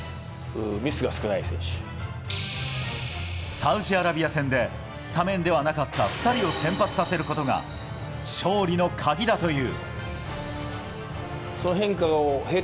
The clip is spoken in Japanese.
サウジアラビア戦でスタメンではなかった２人を先発させることが勝利の鍵だという。